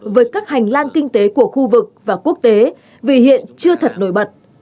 với các hành lang kinh tế của khu vực và quốc tế vì hiện chưa thật nổi bật